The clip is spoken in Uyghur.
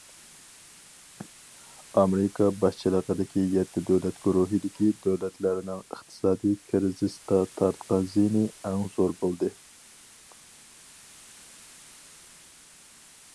ئامېرىكا باشچىلىقىدىكى يەتتە دۆلەت گۇرۇھىدىكى دۆلەتلەرنىڭ ئىقتىسادى كىرىزىستا تارتقان زىيىنى ئەڭ زور بولدى.